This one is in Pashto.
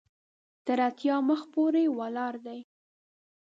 تر اتیا مخ پورې ولاړ دی.